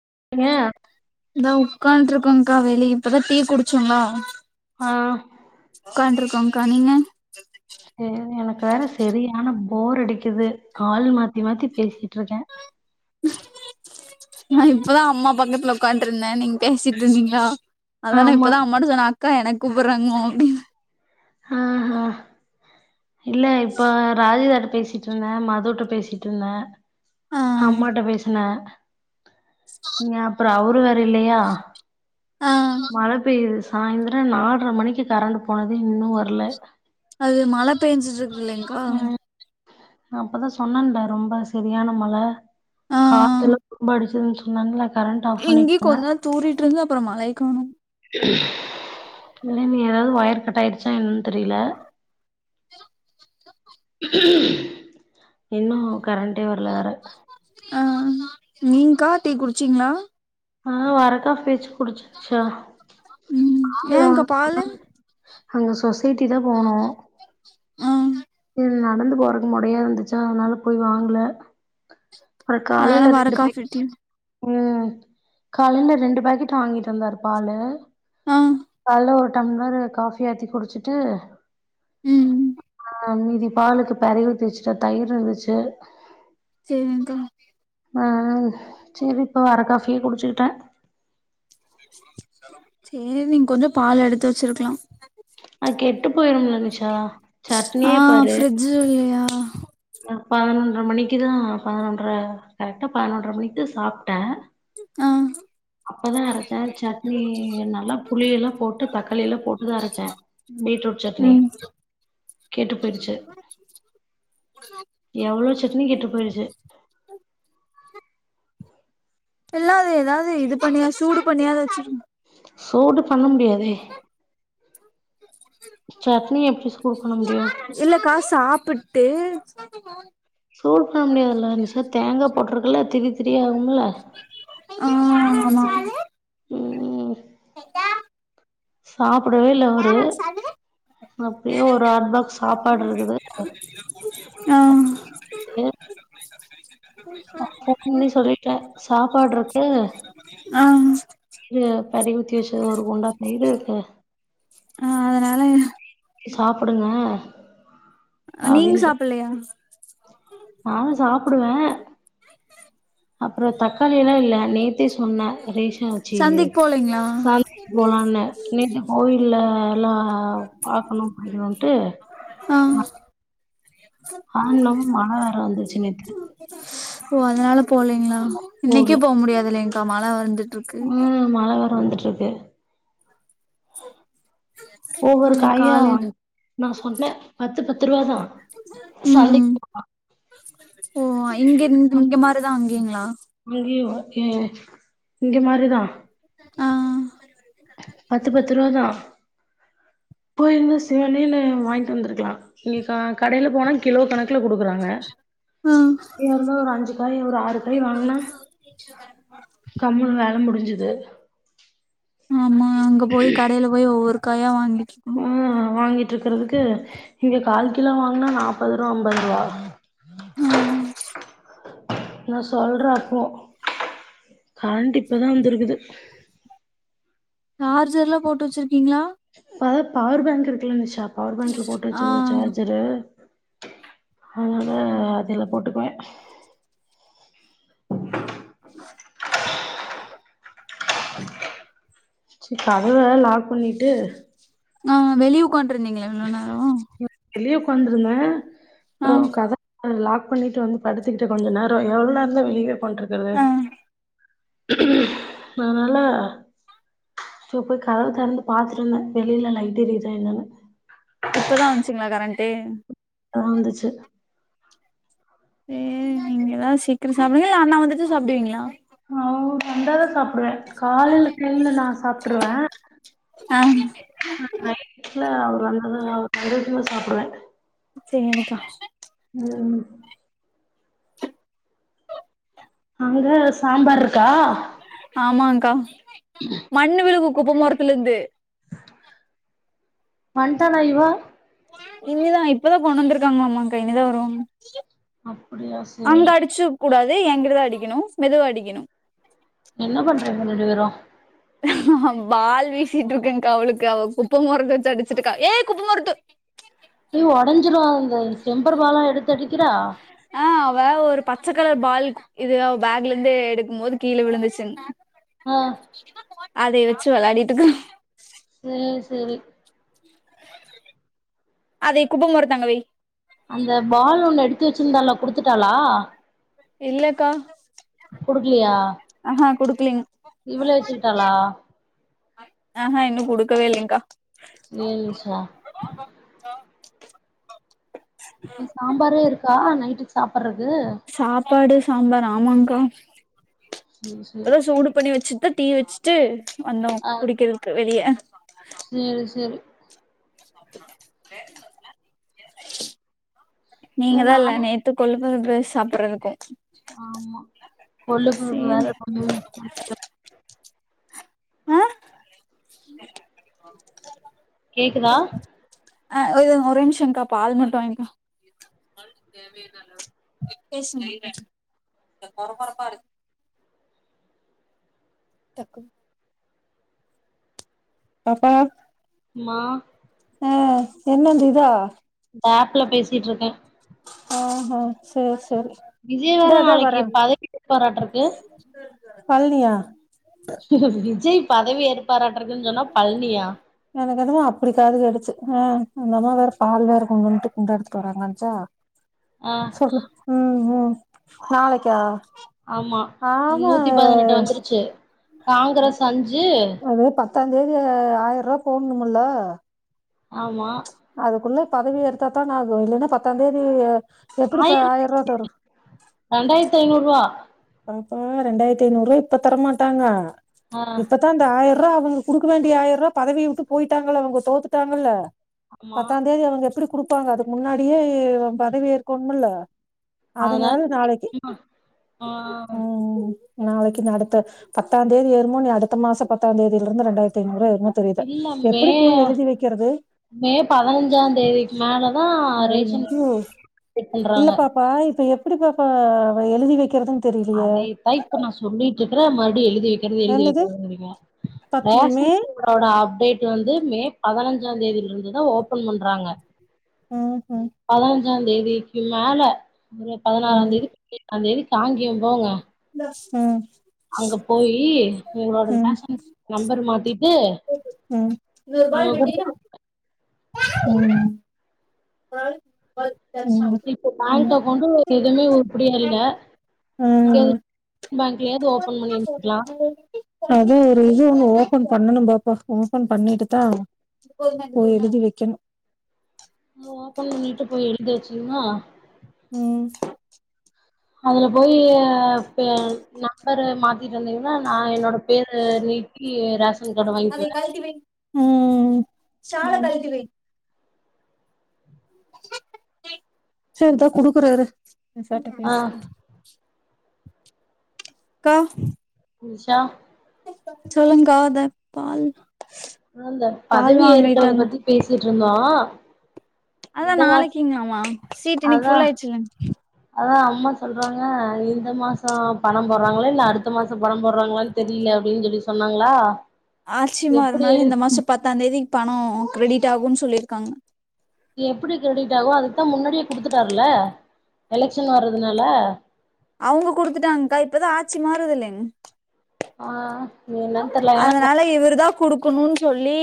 [unintelligible] தோ உக்கான்ட்ருக்காங்கா வெளி இப்பதா டீ குடிச்சோங்ளா அ உக்கான்ட்ருக்காங்க்கா நீங்க அ எனக்கு வேற செரியான போர் அடிக்குது ஆள் மாத்தி மாத்தி பேசிட்ருக்கே நா இப்பதா அம்மா பக்கத்துல உக்காதுருந்தே நீங் பேசிட்ருந்தீங்ளா அதா நா ஆமா இப்பதா அம்மாட்ட சொன்ன அ க்கா எனக் கூப்புற்றாங்க மா அப்டின் அ ஹா இல்ல இப்ப ராஜி [unintelligible] பேசிட்ருந்த மதுட்ட பேசிட்ருந்த ஆ அம்மாட்ட பேசுன ந்ய அப்புற அவுரு வேற இல்லியா ஆ மழ பெய்யுது சாய்ந்திர நால்ர மணிக்கி கரண்டு போனது இன்னு வர்ல அது மழ பேஞ்சுட்ருக் புல்லைங்கோ அப்பதா சொன்னேன்ல ரொம்ப சரியான மழ காத்துல்லாம் ரொம்ப அடிச்சுதுன்னு சொன்னன்ல இங்கி கொன்நேர் தூரி ட்டு இருந்து அப்புறம் மழைக்காணும் இல்ல நீ ஏதாவது வயர் கட் ஆயிடுச்சா என் தெரியல இன்னும் கரண்ட்டே வரலவேற அ நீங் கா டீ குடிச்சீங்களா ஆ வர காஃபேச்ச புடிச்சச்சா ம் ஏங்க்கா பாலு [unintelligible] அங்க சொஸ் சைட்டி தான் போனோ ஆ இது நடந்து போறக்கு முடையா இருந்துச்சா அதனால போய் வாங்கல அப்றோ அதனால காலைல வர ரெண்டு பேக்கெட் காஃப்பிட்டு ம் காலில ரெண்டு பேக்கெட் வாங்கிட்டு வாந்தாரு பாலு ஆ அலோ டம்பிளரு காஃபி ஆத்தி குடிச்சுட்டு ம் ஆ மீதி பாலுக்கு பரி உஊத்திச்சுட்டன் தயிர் இருந்துச்சு சேரிங்கா ஆ சேரி இப்ப வர காஃபியே குடிச்சுக்கிட்டேன் சேரி நீங்க கொஞ்சொ பால் எடுத்து வச்சிருக்கலாம் அ கெட்டு போயிரும்ல நிஷா சட்னியே பாரு அ [unintelligible] பன்னொரு மணிக்கு தா பதுனொன்ற கரெக்டா பதுனொன்ற மணிக்கு சாப்ட்டேன் ஆ அப்பதான் அரைச்சே சட்னி நல்லா புளிய எல்லா போட்டு தக்காளி எல்லா போட்டுதான் அரைச்சேன் பீட்ரூட் சட்னி ம் கெட்டு போயிருச்சு எவ்ளோ சட்னி கெட்டு போயிருச்சு எல்ல அது ஏதாவது இது பண்ணியா சூடு பண்ணியா வச்சுரு சூடு பண்ண முடியாதே சட்னி எப்டி சூடு பண்ண முடியு இல்லக்கா சாப்புட்டு [unintelligible] சூழ் பண்ண முடியாதுல்ல நிஷா தேங்கா போட்ருக்கெல்லா திரி திரியா ஆகும்ல ஆ ஆமா [unintelligible] சாப் படவே இல்ல அவுரு அப்டியே ஒரு ஹாட் பாக்ஸ் சாப்பாடு இருக்குது ஆ [inaudible] ஃபோன் பண்ணி சொல்லிட்டே சாப்பாடுருக்கு ஆ இது பெறை ஊத்தி வச்சது ஒரு குண்டா தயிரு இருக்கு ஆ அதனால சாப்புடுங்க நீங்க சாப்டலையா நானு சாப்புடுவே அப்பற தக்காளி எல்லா இல்ல நேத்தே சொன்ன ரேஷன் ஆச்சி சந்தைக்கு போலீங்களா சந்தைக்கு போலான நேத்தே கோயில்ல எல்லா பாக்கணு கொள்ளனுன்ட்டு ஆ ஆ [unintelligible] மழ வேற வந்துருச்சு நேத்து சோ அதனால போலிங்ளா இன்னைக்கு போகல போ முடியாது இல்லைங் மழ வந்துட் ம் மழ வேற வந்துட்ரு ருக்கு ச ஒவ்வொரு ம் காயா காலேல வாங்கி நா சொன்னே பத்து பத்து ரூபா தா சந்தைக்கு ம் போலா ஓ இங்க இங்க மாதிரிதா அங்கய்ங்ளா எ இங்க மாரிதா ஆ பத்து பத்து ருவா தா போயிருந்தா சிவனேனு வாங்கிட்டு வந்ருக்லா இங்க க கடைல போனா கிலோ கணக் குல குடுக்குறாங்க ஆ இங்கயா இருந்தா ஒரு அஞ்சு காய் ஒரு ஆறு காய் வாங்னா கம்முனு வேல முடிஞ்சுது து ஆமா அங்க போயி கடைல போயி ஒவ்வொரு காயா வாங்கி ஆ வாங்கிட்ருக்கறதுக்கு இங்க கால் கிலோ வாங்னா நாப்பது ருவா அம்பது ருவா ஆ நா சொல்ற அப்போ கரண்ட் இப்பதா வந்துருக்குது சார்ஜர் எல்லா போட்டு வச்சிருக்கிங்ளா அதா பவர் பேங்க் இருக்குல்ல நிஷா பவர் பாங்க்ல போட்டு ஆ வச்சுருவ சார்ஜரு அதனால அதுல போட்டுக்குவே சி கதவ வேற லாக் பண்ணிருக் ட்டு ஆ வெளிய உக்காண்ட்டு இருந்திங்ளா இவ்ள நேரோ வெளிய உக்காந்துருந்த ஆ அப்றோ கத [inaudible] லாக் பண்ணிட்டு வந்து படுத்துக்கிட்டு கொஞ்ச நேரோ எவ்ள் நேரந் தா வெளிய்வே பண்றது இல்ல ஆ நானாலசோ போய் கதவு தெறந்து பாத்துட்டு வந்த வெளில லைட் எரிதா என்னனு இப்பதா வந்ச்சுங்ளா கரண்ட்டு தா வந்துச்சு தே நீங்கதா சீக்கிரோ சாப்டுவீங்கலா இல்ல அண்ணா வந்துட்டு சாப்டுவீங்களா அவு வந்தாதா சாப் டுவே காலைல டைம்ல நா சாப்ட்டுருவ ஆ நைட் ல அவுர் வந்தா அவர் வந்தோனயு சாப் சேரிக்கா ம் அங்க சாம்பார் இருக்கா ஆமாங்கா மண்ணு விழுகும் குப்ப மொரத்துலிருந்து வந்துட்டாளா இவோ இல்ல இப்ப தா கொண்டு வந்திருக்காங்களாமாங்கா இனி தா வருவாங்க அப்டியா சேரி அங்க அடிச்சுக் கூடாது எங்கிட்டதா அடிக்கணு மெதுவா அடிக்கணு என்ன பண்றீங்க ரெண்டு பேரும் பால் வீசிட்டு இருக்கேங்கா அவளுக்கு அவ குப்ப மொரத்த வச்சு அடிச்சுட்டுருக்கா ஏ குப்ப மொரத்த ஏ ஒடஞ்சுரும் அந்த டெம்பர் பாலா எடுத்து அடிக்கிறா ஆ அவ ஒரு பச்ச கலர் பால் இது அவ பேக்லந்து எடுக்கும் போது கீழ விழுந்துச்சுங் ஆ அதை வச்சு வெளாடிட்டுக்கு செரி அதே குப்ப மொரத்த அங்க வை அந்த பால் ஒண்ணு எடுத்து வச்சுருந்தாளே குடுத்துட்டாளா இல்லேக்கா குடுக்கலயா க்ளிங் இவளே வச்சுக்கிட்டாளா ஏ ஹே இன்னு குடுக்கவே இல்லேங்க்கா சேரி நிஷா இப்ப சாம்பாரே இரு க்கா நைட்டுக்கு சாப்பற சாப்பாடு சாம்பார் ஆமாங்கா சேரி இப்ப சேரி தா சூடு பண்ணி வச்சுட்டு டீ வச்சு ட்டு வந்தோ ஆ குடிக்கறதுக்கு வெளிய சேரி சேரி சேரி நீங்கதா இல்ல நானு நேத்து கொளு [unintelligible] சாப்பிடுறதுக்கு ஆமா கொளுப்பு வேற சேரி கொஞ்சொ கொஞ்ச [unintelligible] அ கேக்குதா அ ஒரே ஒரேநிம்ஷம்கா பால் மட்டும் வாங்கி பேசுங்க [unintelligible] கொஞ்சொ கொரகொரப்பாருக்கு டக்கு பாப்பா மா ஆ என்னந்த இதா ஆப்ல பேசிட்டிருக்கே ஆஹா சேர்சேரி விஜய் வேற இந்தா த நாளைக்கு வரே பதவி ஏற்பாராட்ருக்கு பல்னியா விஜய் பதவி ஏற்பாராட் எனக்கு அதுவு அப்படி காதுகேட்டுச்சு அ அந்த அம்மா வேற பால் வேற கொண்டுவந்துட்டு குண்டா எடுத்துட்டு வாராங்கச்சா ஆ சொல் ம் ம் நாளைக்கா ஆமா அநூத்தி பதினெட்டு வந்துருச்சு அ காங்கிரஸ் அஞ்சு அது பத்தாந் தேதி ஆயிருவா போங்குமுல்ல ஆமா பதவி எடுத்தாத்தான ஆகும் இல்லனா பத்தாந் தேதி எப்படி இப்ப ஆயிர ரூபா தரும் [unintelligible] ரெண்டாயிரத்து ஐநூறு ரூவா பாப்பா ரெண்டாயிரத்துஐநூறுவா இப்ப தரமாட்டாங்க ஆ இப்பதா அந்த ஆயிர்ரூவா அவங் குடுக்கவேண்டிய ஆயிர்ரூவா பதவிய வுட்டு போயிட்டாங்கள அவங்க தோத்துட்டாங்கல ஆமா பத்தாந்தேதி அவங்க எப்புடி குடுப்பாங்க அதுக்முன்னாடியே அவ பதவி ஏற்கோணும்னுல்ல அதனால அதனால் நாளைக்கு ஆ ஆ ம் நாளைக்கு நாஅடுத்த பத்தாம் தேதி ஏறுமோ நீ அடுத்த மாசம் பத்தாந் தேதியிலிருந்து ரெண்டாயிரத்து ஐநூறுவா ஏறு இல்ல மே மே பதினஞ்சா தேதிக்கு மேலதா ரேஷன் ஐயோ [unintelligible] பண்றாங்க இப்படிப்பாப்ப எழுதி வை கறது அதை தா இப்ப நா சொல்லிட் சொல்லிட்டு இருக்க மறுபடி எழுதி எழுதி எழுதி என்னது வைக்கருங்க பத்து மே ரேஷன் கார்டோட அப்டேட் வந்து மே பதினைஞ் பதினஞ்சா தேதில இருந்துதா ஓபன் பண்றாங்க ம் ம் பதினஞ்சா தேதிக்கு மேல பதினாறா ம் தேதி அந்த எதுக்கு காங்கேய [unintelligible] போங்க ம் அங்க போயி உங்களோட ம் ரேஷன் நம்பர் மாத்திட்டு ம் இன்னொரு அங்க பால் குடுத்து விட்டின ம் ம் இப்ப பேங்க் ம் அக்கௌண்டு எதுவுமே உருப்படியா இல்ல ம் பேங்க்ல யாவது ஓபன் பண்ணிருந்துக்கலா அதா ஒரு இது ஒண்ணு ஓபன் பண்ணனு பா ஓபன் பண்ணிட்டு தா போய் எழுதி வைக்கணு ஓபன் பண்ணிட்டு போய் எழுதிச்சிங்ன ம் அதுல போய் நம்பரு மாத்திட்டு வந்தீங்கன்னா நான் என்னோட பேரு நீக்கீ ம் சாலா கழட்டிவை செரி இந்தா குடுக்குறே இரு நிஷாட ஆ பேசு கா நிஷா சொல்லங்காத பால் ஆ இந்த பால் பதவி வாங்கிட்டு ஏற்கறத வந்த பத்தி பேசிட்டு இருந்தோ அதா இந்த மாச நாளைக்குங்களாமா சீட் இன்னைக்கு அதா ஃபுல் ஆயிடுச்சுங்க அதா அம்மா சொல்றாங்க இந்த மாசோ பணம் போடுறாங்களா இல்ல அடுத்த மாசோ பணம் போடுறாங்களனு தெரில அப்டின்னு சொல்லி சொன்னாங்களா எப்டி ஆட்சிமாறுனால எழு இந்த மாசோ பத்தாந்தேதி பணோ க்ரெடிட் ஆகுன் சொல்லியிருக்காங்க எப்பிடி க்ரெடிட் ஆகோ அதுக்தா முன்னாடியே குடுத்துட்டாருல எலெக்ஷன் வர்றதுனால அவுங்க குடுத்துட்டாங்க்கா இப்பதா ஆட்சி மாறுது இல்லிங் ஆ என்னன்னு தெர்ல ஏன்னா அதனால இவரு தா குடு க்குனு சொல்லி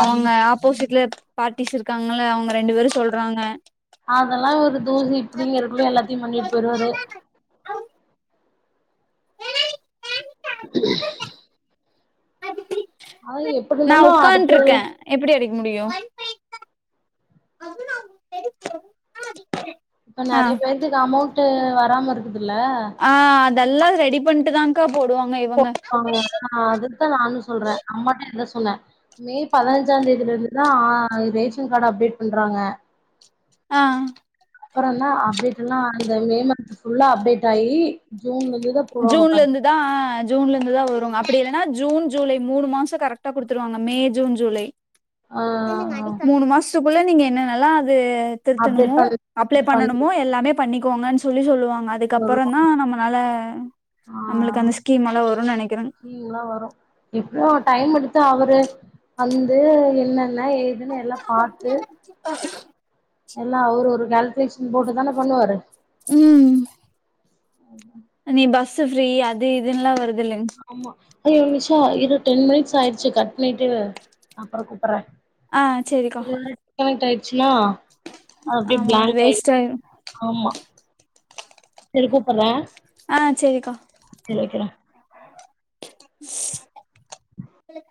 அவங்க ஆப்போசிட் ல பார்ட்டிஸ் இருக்காங்கல்ல அவங்க ரெண்டு பேரு சொல்றாங்க அதெல்லா ஒரு தூசி இப்டிங்கிறகுள்ள எல்லாத்தியும் பண்ணிட் போய்ருவாரு ஆனா எப்டி நா இருந்தாலு அடுத்து உக்கான்ருக்கே எப்படி அடிக் முடியு இப்ப ஆ நெறைய பேர்துக்கு அமௌண் ட்டு வராம இருக்கு தில்ல எல்லா ரெடி பண்ணிட் தாங்கா போடுவாங்க அ அதுதா நானு சொல்றே அம்மாட்ட இதா சொ சொன்ன மே பதினஞ்சாந் தேதில இருந்துதா அ ரேஷன் காடு அப்டேட் பண்றாங்க அ அ அப்புறதா அப்டேட்டுல்லா [unintelligible] மே மந்த் ஃபுல்லா அப்டேட் ஆயி ஜூன்ல இருந்துதா போடுவாங்க ஜூன்ல பாரு இருந்து தா அ ஜூன்ல இருந்துதா வருங்க அ ப்படி இல்லன்னா ஜூன் ஜூலை மூணு மாசோ கரெக்டா கொடுத்துருவாங்க மே ஜூன் ஜூலை ஆ மூணு மாஸ் த்துகுள்ள நீங்க என்னனெல்லா அ து அப்டேட் திருத்தணுமோ பண்ணி அப்ளை பண்ணி பண்ணணுமோ எல்லாமே பண்ணி போங்கன் சொல்லி சொல்லுவாங் அதுக்கப்பறோ சொல்லுவா தா நம்மளால ஆ நம்மளுக்கு அந்த ஸ்கீம் எல்லாம் வரும்னு நினைக்கிறேன் ஸ்கீம்லா வரு இப்போ டைம் எடுத்து அவரு வந்து என் ன்ன ஏதுன் எல்லா பார்த்து எல்லா அவுரு ஒரு கால் க்லேஷன் போட்டு தான பண்ணுவாரு ம் ஆமா இனி பஸ் ஃப்ரீ அது இதுல்லா வருது இல்லைங்க ஆமா ஐயோ நிஷா இரு டென் மினிட்ஸ் ஆயிடுச்சு கட் பண்ணிட்டு அப்புற கூப்புடுறே ஆ சரிக்கா சின்னா அப்டி ஆமா அது பிளாக் ஆயிடு வேஸ்ட் ஆயிரும் ஆமா சரிக் கூப்பற ஆ சரிக்கா [inaudible] [inaudible]